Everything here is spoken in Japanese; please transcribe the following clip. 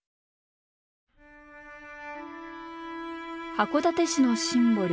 函館市のシンボル